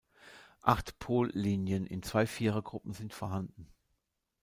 Acht Pollinien in zwei Vierergruppen sind vorhanden.